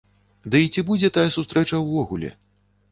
Дый ці будзе тая сустрэча ўвогуле?